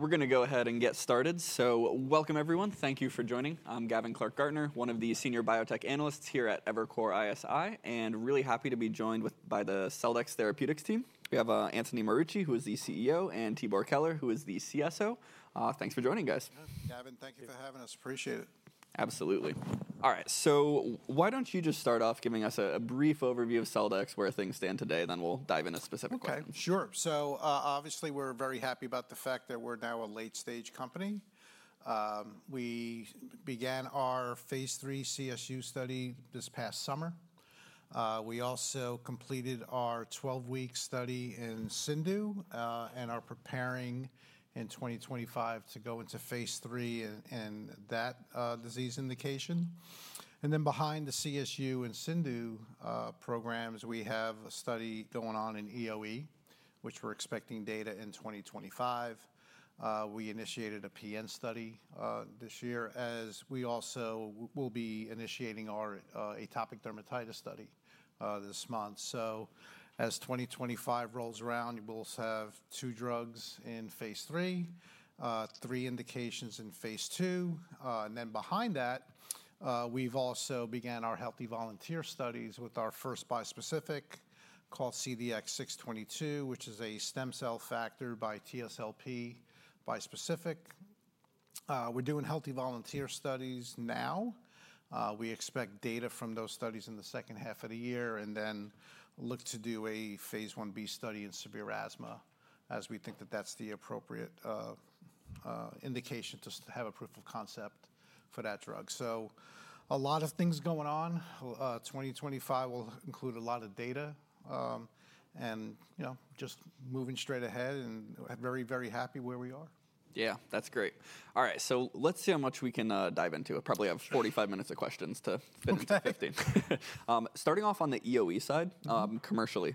We're going to go ahead and get started. So welcome, everyone. Thank you for joining. I'm Gavin Clark-Gartner, one of the Senior Biotech Analysts here at Evercore ISI, and really happy to be joined by the Celldex Therapeutics team. We have Anthony Marucci, who is the CEO, and Tibor Keler, who is the CSO. Thanks for joining, guys. Gavin, thank you for having us. Appreciate it. Absolutely. All right, so why don't you just start off giving us a brief overview of Celldex, where things stand today, then we'll dive into specific questions. Sure. So obviously, we're very happy about the fact that we're now a late-stage company. We began our phase III CSU study this past summer. We also completed our 12-week study in CIndU and are preparing in 2025 to go into phase III in that disease indication. And then behind the CSU and CIndU programs, we have a study going on in EoE, which we're expecting data in 2025. We initiated a PN study this year, as we also will be initiating our Atopic Dermatitis study this month. So as 2025 rolls around, we'll have two drugs in phase III, three indications in phase II. And then behind that, we've also begun our Healthy Volunteer studies with our first bispecific called CDX-622, which is a stem cell factor and TSLP bispecific. We're doing Healthy Volunteer studies now. We expect data from those studies in the second half of the year and then look to do a phase I-B study in severe asthma as we think that that's the appropriate indication to have a proof of concept for that drug. So a lot of things going on. 2025 will include a lot of data and just moving straight ahead and very, very happy where we are. Yeah, that's great. All right, so let's see how much we can dive into it. Probably have 45 minutes of questions to finish the 15. Starting off on the EoE side, commercially,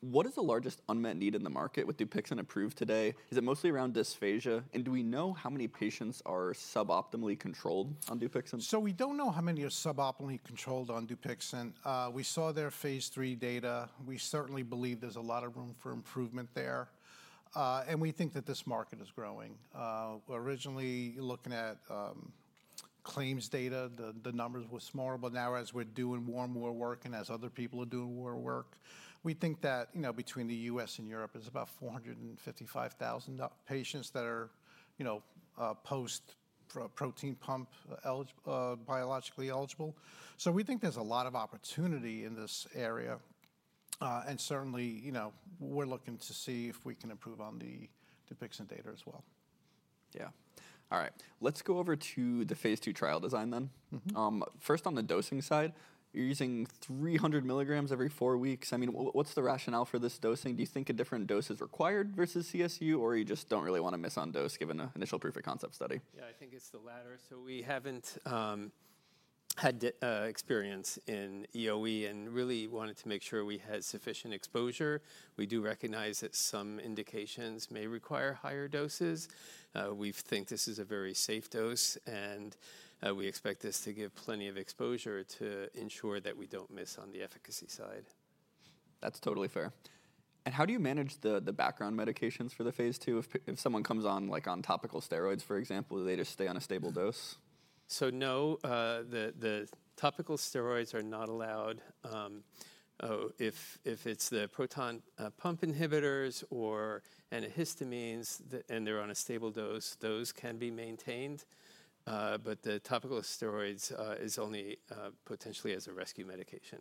what is the largest unmet need in the market with DUPIXENT approved today? Is it mostly around dysphagia? And do we know how many patients are suboptimally controlled on DUPIXENT? We don't know how many are suboptimally controlled on DUPIXENT. We saw their phase III data. We certainly believe there's a lot of room for improvement there. And we think that this market is growing. Originally, looking at claims data, the numbers were smaller. But now, as we're doing real world work and as other people are doing real world work, we think that between the U.S. and Europe is about 455,000 patients that are post-biologically eligible. We think there's a lot of opportunity in this area. And certainly, we're looking to see if we can improve on the DUPIXENT data as well. Yeah. All right, let's go over to the phase II trial design then. First, on the dosing side, you're using 300 mg every four weeks. I mean, what's the rationale for this dosing? Do you think a different dose is required versus CSU, or you just don't really want to miss on dose given the initial proof of concept study? Yeah, I think it's the latter. So we haven't had experience in EoE and really wanted to make sure we had sufficient exposure. We do recognize that some indications may require higher doses. We think this is a very safe dose, and we expect this to give plenty of exposure to ensure that we don't miss on the efficacy side. That's totally fair. And how do you manage the background medications for the phase II? If someone comes on topical steroids, for example, do they just stay on a stable dose? So no, the topical steroids are not allowed. If it's the proton pump inhibitors or antihistamines and they're on a stable dose, those can be maintained. But the topical steroids is only potentially as a rescue medication.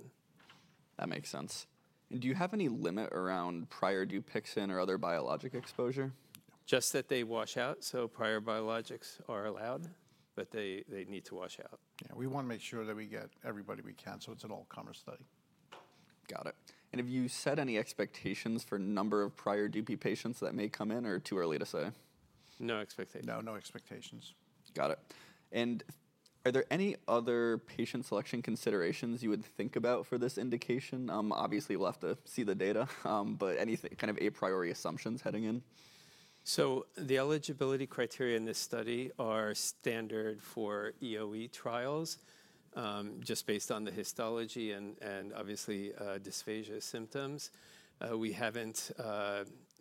That makes sense. And do you have any limit around prior DUPIXENT or other biologic exposure? Just that they wash out. So prior biologics are allowed, but they need to wash out. Yeah, we want to make sure that we get everybody we can so it's an all-comers study. Got it. Have you set any expectations for the number of prior DUPI patients that may come in, or too early to say? No expectations. No, no expectations. Got it. And are there any other patient selection considerations you would think about for this indication? Obviously, we'll have to see the data, but any kind of a priori assumptions heading in? The eligibility criteria in this study are standard for EoE trials, just based on the histology and obviously dysphagia symptoms. We haven't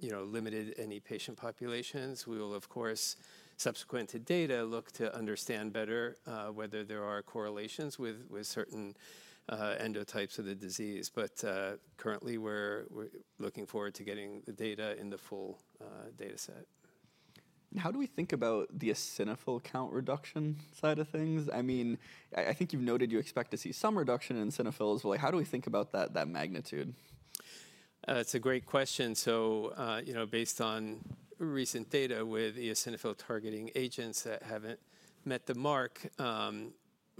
limited any patient populations. We will, of course, subsequent to data, look to understand better whether there are correlations with certain endotypes of the disease. But currently, we're looking forward to getting the data in the full data set. How do we think about the eosinophil count reduction side of things? I mean, I think you've noted you expect to see some reduction in eosinophils. How do we think about that magnitude? It's a great question. So based on recent data with eosinophil targeting agents that haven't met the mark,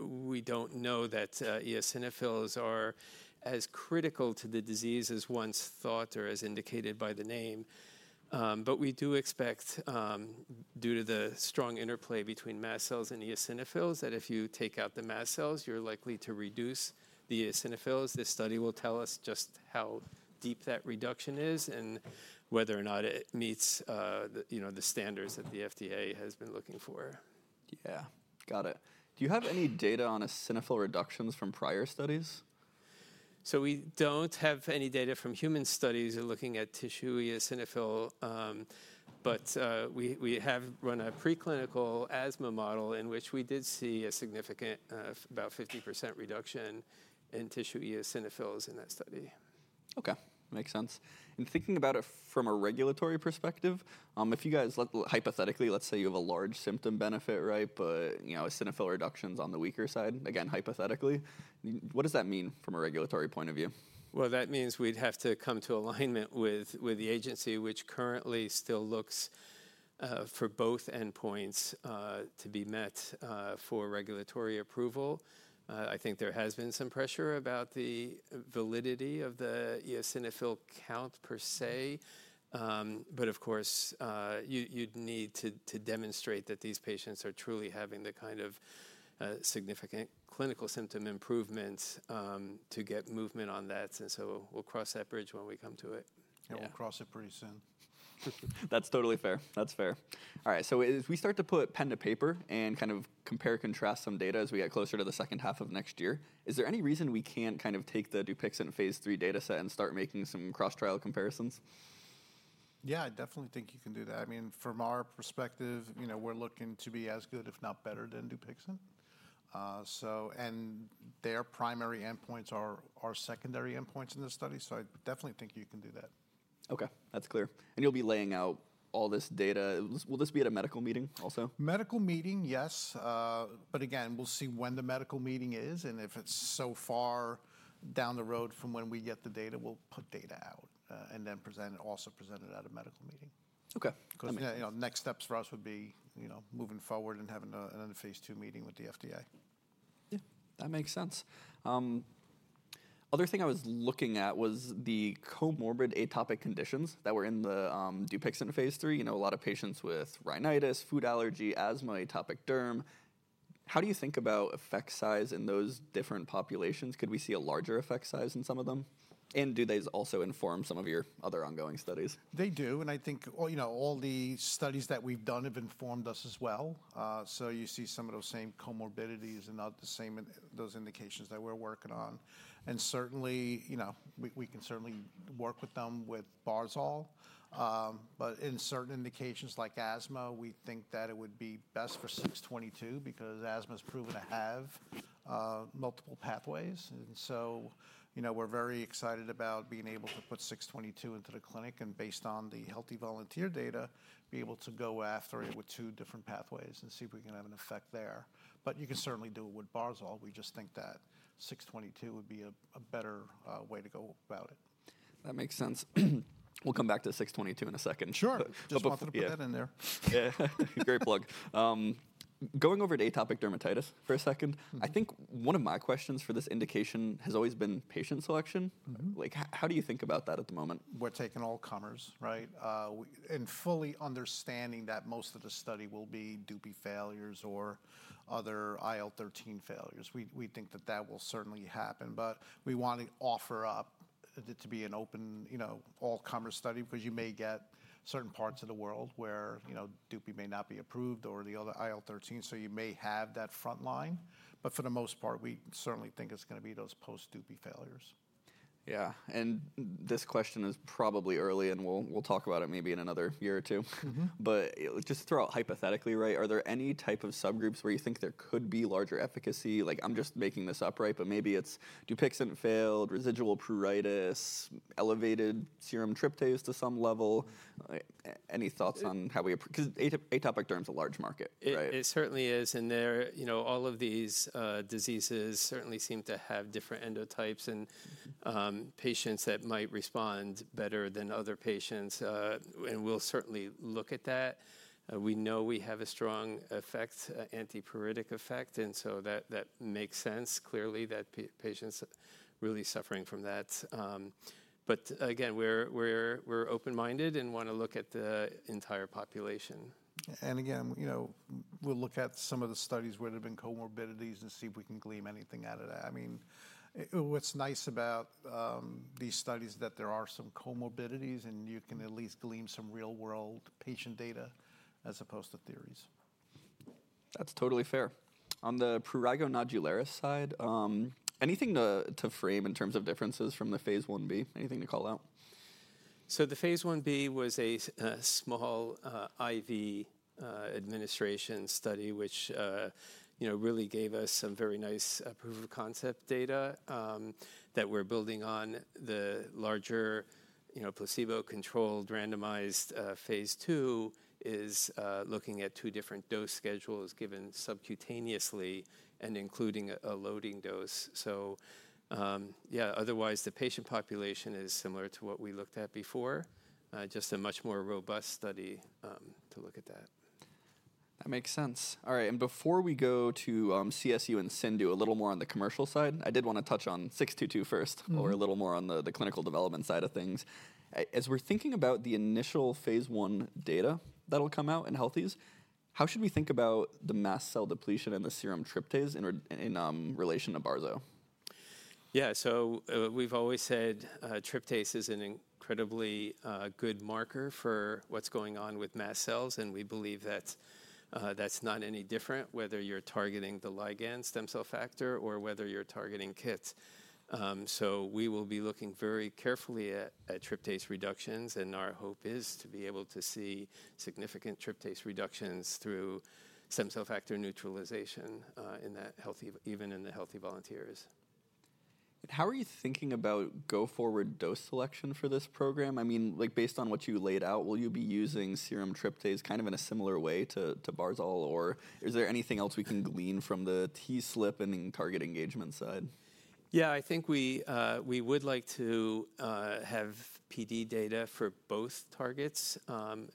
we don't know that eosinophils are as critical to the disease as once thought or as indicated by the name. But we do expect, due to the strong interplay between mast cells and eosinophils, that if you take out the mast cells, you're likely to reduce the eosinophils. This study will tell us just how deep that reduction is and whether or not it meets the standards that the FDA has been looking for. Yeah, got it. Do you have any data on eosinophil reductions from prior studies? So we don't have any data from human studies looking at tissue eosinophil. But we have run a preclinical asthma model in which we did see a significant, about 50% reduction in tissue eosinophils in that study. Okay, makes sense. Thinking about it from a regulatory perspective, if you guys hypothetically, let's say you have a large symptom benefit, right, but eosinophil reduction is on the weaker side, again, hypothetically, what does that mean from a regulatory point of view? That means we'd have to come to alignment with the agency, which currently still looks for both endpoints to be met for regulatory approval. I think there has been some pressure about the validity of the eosinophil count per se. But of course, you'd need to demonstrate that these patients are truly having the kind of significant clinical symptom improvements to get movement on that. And so we'll cross that bridge when we come to it. Yeah, we'll cross it pretty soon. That's totally fair. That's fair. All right, so if we start to put pen to paper and kind of compare and contrast some data as we get closer to the second half of next year, is there any reason we can't kind of take the DUPIXENT phase III data set and start making some cross-trial comparisons? Yeah, I definitely think you can do that. I mean, from our perspective, we're looking to be as good, if not better, than DUPIXENT, and their primary endpoints are our secondary endpoints in this study, so I definitely think you can do that. Okay, that's clear. And you'll be laying out all this data. Will this be at a medical meeting also? Medical meeting, yes. But again, we'll see when the medical meeting is. And if it's so far down the road from when we get the data, we'll put data out and then also present it at a medical meeting. Okay. Next steps for us would be moving forward and having another phase II meeting with the FDA. Yeah, that makes sense. Other thing I was looking at was the comorbid atopic conditions that were in the DUPIXENT phase III. A lot of patients with rhinitis, food allergy, asthma, atopic derm. How do you think about effect size in those different populations? Could we see a larger effect size in some of them? And do they also inform some of your other ongoing studies? They do. And I think all the studies that we've done have informed us as well. So you see some of those same comorbidities and not the same those indications that we're working on. And certainly, we can certainly work with them with barzol. But in certain indications like asthma, we think that it would be best for 622 because asthma is proven to have multiple pathways. And so we're very excited about being able to put 622 into the clinic and based on the Healthy Volunteer data, be able to go after it with two different pathways and see if we can have an effect there. But you can certainly do it with barzol. We just think that 622 would be a better way to go about it. That makes sense. We'll come back to 622 in a second. Sure. Just wanted to put that in there. Yeah, great plug. Going over to Atopic Dermatitis for a second, I think one of my questions for this indication has always been patient selection. How do you think about that at the moment? We're taking all comers, right? And fully understanding that most of the study will be DUPI failures or other IL-13 failures. We think that that will certainly happen. But we want to offer up to be an open all-comers study because you may get certain parts of the world where DUPI may not be approved or the other IL-13. So you may have that front line. But for the most part, we certainly think it's going to be those post-DUPI failures. Yeah, and this question is probably early, and we'll talk about it maybe in another year or two. But just to throw out hypothetically, right? Are there any type of subgroups where you think there could be larger efficacy? Like, I'm just making this up, right? But maybe it's DUPIXENT failed, residual pruritus, elevated serum tryptase to some level. Any thoughts on how we appreciate because Atopic Derm is a large market, right? It certainly is. And all of these diseases certainly seem to have different endotypes and patients that might respond better than other patients. And we'll certainly look at that. We know we have a strong effect, antipruritic effect. And so that makes sense clearly that patients are really suffering from that. But again, we're open-minded and want to look at the entire population. And again, we'll look at some of the studies where there have been comorbidities and see if we can glean anything out of that. I mean, what's nice about these studies is that there are some comorbidities, and you can at least glean some real-world patient data as opposed to theories. That's totally fair. On the prurigo nodularis side, anything to frame in terms of differences from the phase I-B? Anything to call out? The phase I-B was a small IV administration study, which really gave us some very nice proof of concept data that we're building on. The larger placebo-controlled randomized phase II is looking at two different dose schedules given subcutaneously and including a loading dose. Yeah, otherwise, the patient population is similar to what we looked at before, just a much more robust study to look at that. That makes sense. All right. And before we go to CSU and CIndU a little more on the commercial side, I did want to touch on 622 first or a little more on the clinical development side of things. As we're thinking about the initial phase I data that'll come out in all this, how should we think about the mast cell depletion and the serum tryptase in relation to barzol? Yeah, so we've always said tryptase is an incredibly good marker for what's going on with mast cells. And we believe that that's not any different whether you're targeting the ligand stem cell factor or whether you're targeting KIT. So we will be looking very carefully at tryptase reductions. And our hope is to be able to see significant tryptase reductions through stem cell factor neutralization even in the Healthy Volunteers. And how are you thinking about go-forward dose selection for this program? I mean, based on what you laid out, will you be using serum tryptase kind of in a similar way to barzol? Or is there anything else we can glean from the TSLP and target engagement side? Yeah, I think we would like to have PD data for both targets.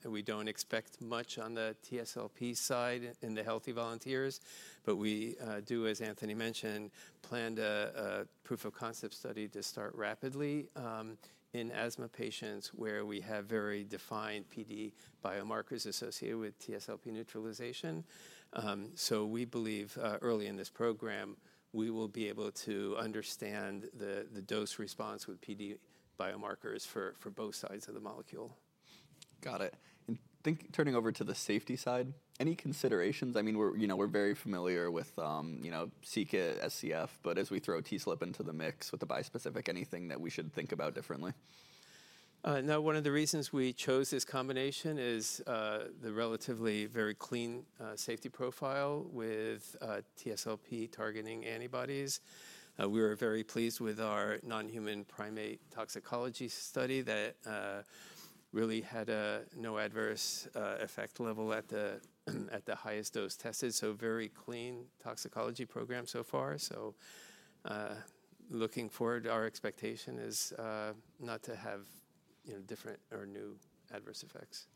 We don't expect much on the TSLP side in Healthy Volunteers. but we do, as Anthony mentioned, plan a proof-of-concept study to start rapidly in asthma patients where we have very defined PD biomarkers associated with TSLP neutralization. So we believe early in this program, we will be able to understand the dose-response with PD biomarkers for both sides of the molecule. Got it and turning over to the safety side, any considerations? I mean, we're very familiar with KIT SCF, but as we throw TSLP into the mix with the bispecific, anything that we should think about differently? Now, one of the reasons we chose this combination is the relatively very clean safety profile with TSLP targeting antibodies. We were very pleased with our non-human primate toxicology study that really had a no adverse effect level at the highest dose tested. So very clean toxicology program so far. So looking forward, our expectation is not to have different or new adverse effects.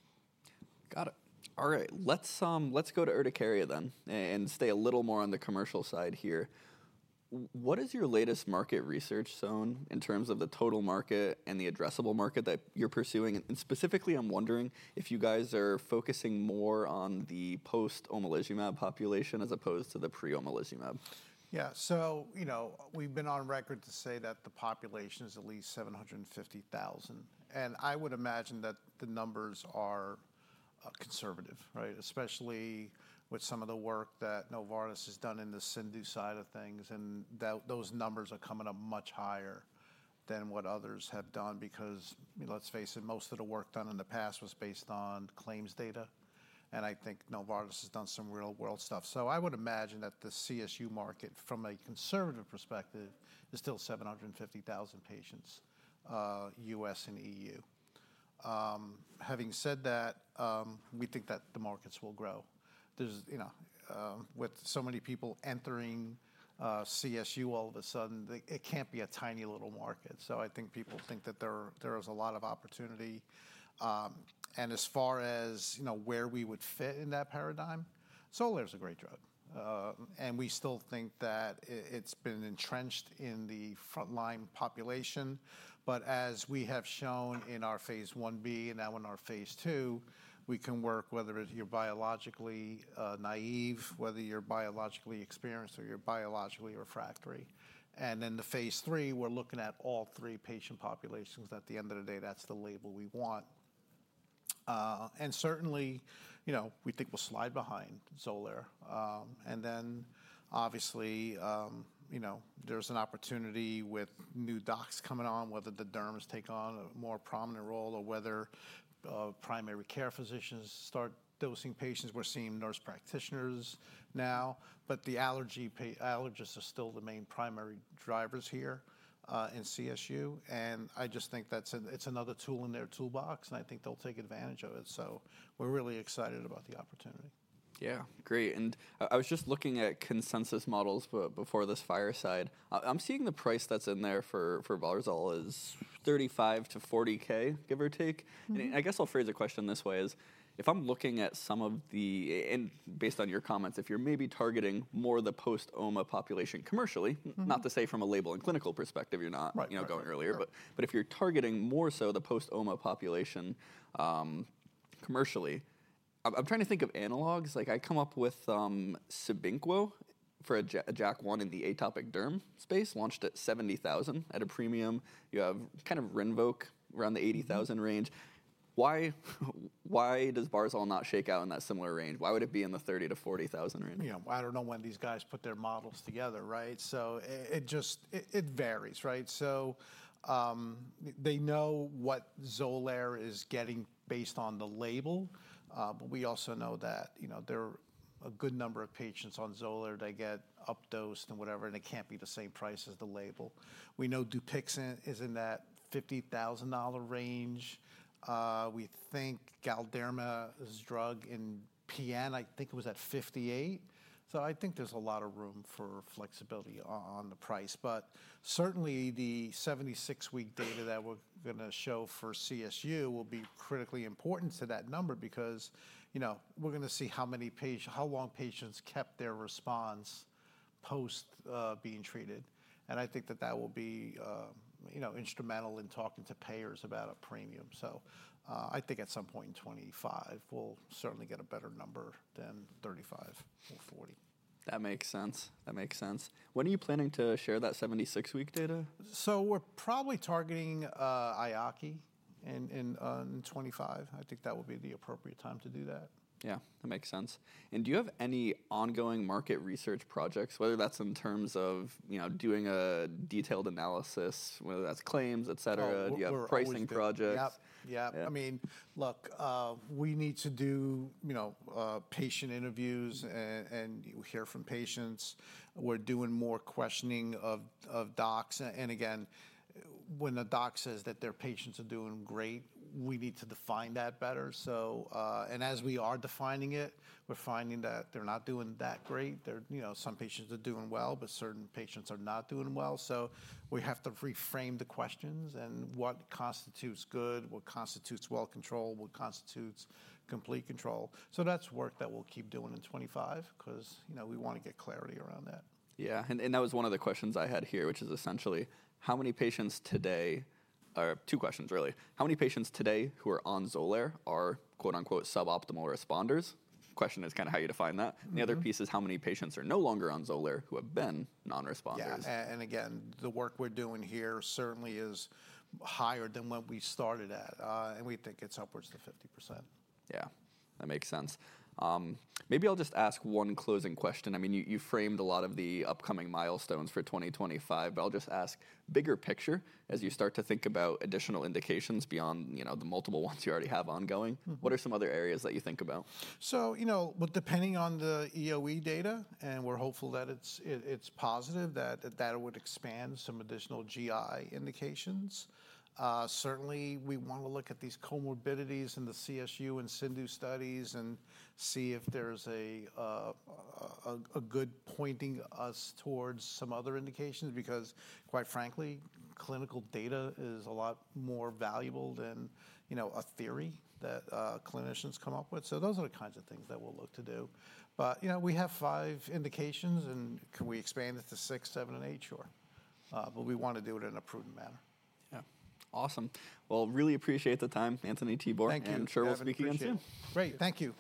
Got it. All right, let's go to urticaria then and stay a little more on the commercial side here. What is your latest market research on in terms of the total market and the addressable market that you're pursuing? And specifically, I'm wondering if you guys are focusing more on the post-omalizumab population as opposed to the pre-omalizumab? Yeah, so we've been on record to say that the population is at least 750,000. And I would imagine that the numbers are conservative, right? Especially with some of the work that Novartis has done in the CIndU side of things. And those numbers are coming up much higher than what others have done because let's face it, most of the work done in the past was based on claims data. And I think Novartis has done some real-world stuff. So I would imagine that the CSU market from a conservative perspective is still 750,000 patients, U.S. and E.U. Having said that, we think that the markets will grow. With so many people entering CSU, all of a sudden, it can't be a tiny little market. So I think people think that there is a lot of opportunity. And as far as where we would fit in that paradigm, XOLAIR is a great drug. And we still think that it's been entrenched in the front line population. But as we have shown in our phase I-B and now in our phase II, we can work whether you're biologically naive, whether you're biologically experienced, or you're biologically refractory. And in the phase III, we're looking at all three patient populations. At the end of the day, that's the label we want. And certainly, we think we'll slide behind XOLAIR. And then obviously, there's an opportunity with new docs coming on, whether the derms take on a more prominent role or whether primary care physicians start dosing patients. We're seeing nurse practitioners now. But the allergists are still the main primary drivers here in CSU. And I just think that it's another tool in their toolbox. And I think they'll take advantage of it. So we're really excited about the opportunity. Yeah, great. And I was just looking at consensus models before this fireside. I'm seeing the price that's in there for barzol is $35,000-$40,000, give or take. And I guess I'll phrase the question this way: if I'm looking at some of the, and based on your comments, if you're maybe targeting more of the post-oma population commercially, not to say from a label and clinical perspective you're not going earlier. But if you're targeting more so the post-oma population commercially, I'm trying to think of analogs. I come up with Cibinqo for a JAK1 in the Atopic Derm space, launched at $70,000 at a premium. You have kind of RINVOQ around the $80,000 range. Why does barzol not shake out in that similar range? Why would it be in the $30,000-$40,000 range? Yeah, I don't know when these guys put their models together, right? So it varies, right? So they know what XOLAIR is getting based on the label. But we also know that there are a good number of patients on XOLAIR that get updosed and whatever. And it can't be the same price as the label. We know DUPIXENT is in that $50,000 range. We think Galderma's drug in PN, I think it was at $58,000. So I think there's a lot of room for flexibility on the price. But certainly, the 76-week data that we're going to show for CSU will be critically important to that number because we're going to see how long patients kept their response post-being treated. And I think that that will be instrumental in talking to payers about a premium. So I think at some point in 2025, we'll certainly get a better number than 2035 or 2040. That makes sense. That makes sense. When are you planning to share that 76-week data? So we're probably targeting EAACI in 2025. I think that would be the appropriate time to do that. Yeah, that makes sense, and do you have any ongoing market research projects, whether that's in terms of doing a detailed analysis, whether that's claims, et cetera? Do you have pricing projects? Yeah, yeah. I mean, look, we need to do patient interviews and hear from patients. We're doing more questioning of docs. And again, when a doc says that their patients are doing great, we need to define that better. And as we are defining it, we're finding that they're not doing that great. Some patients are doing well, but certain patients are not doing well. So we have to reframe the questions and what constitutes good, what constitutes well control, what constitutes complete control. So that's work that we'll keep doing in 2025 because we want to get clarity around that. Yeah. And that was one of the questions I had here, which is essentially how many patients today are two questions, really. How many patients today who are on XOLAIR are "suboptimal responders"? The question is kind of how you define that. And the other piece is how many patients are no longer on XOLAIR who have been non-responders. Yeah. And again, the work we're doing here certainly is higher than what we started at. And we think it's upwards of 50%. Yeah, that makes sense. Maybe I'll just ask one closing question. I mean, you framed a lot of the upcoming milestones for 2025. But I'll just ask bigger picture as you start to think about additional indications beyond the multiple ones you already have ongoing. What are some other areas that you think about? So, depending on the EoE data, and we're hopeful that it's positive, that that would expand some additional GI indications. Certainly, we want to look at these comorbidities in the CSU and CIndU studies and see if there's a good pointing us towards some other indications because quite frankly, clinical data is a lot more valuable than a theory that clinicians come up with. So those are the kinds of things that we'll look to do. But we have five indications. And can we expand it to six, seven, and eight? Sure. But we want to do it in a prudent manner. Yeah. Awesome. Really appreciate the time, Anthony and Tibor. Thank you. I'm sure we'll speak again soon. Great. Thank you.